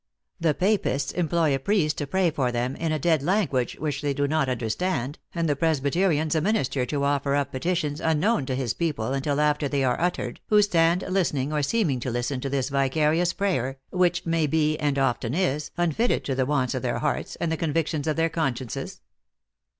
The Papists employ a priest to pray for them in a dead language which they do not understand, and the Presbyterians a minister to offer up petitions unknown to his people until after 212 THE ACTRESS IN HIGH LIFE. they are uttered, who stand listening, or seeming to listen, to this vicarious prayer, which may be, and often is, unfitted to the wants of their hearts, and the convictions of their consciences."